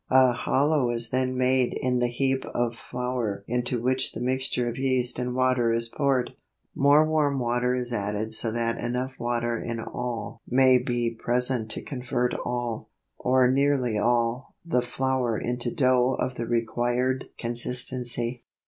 A hollow is then made in the heap of flour into which the mixture of yeast and water is poured. More warm water is added so that enough water in all may be present to convert all, or nearly all, the flour into dough of the required consistency.